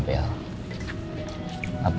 oke kita makan dulu ya